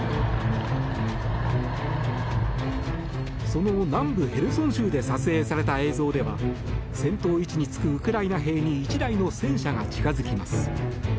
その南部ヘルソン州で撮影された映像では戦闘位置につくウクライナ兵に１台の戦車が近付きます。